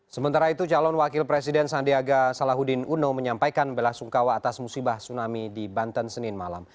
sementara itu calon wakil presiden sandiaga salahuddin uno menyampaikan bela sungkawa atas musibah tsunami di banten senin malam